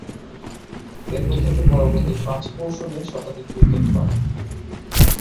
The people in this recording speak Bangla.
এরপর থেকে পরবর্তী পাঁচ মৌসুমে শতাধিক উইকেট পান।